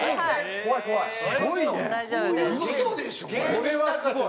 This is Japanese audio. これはすごい！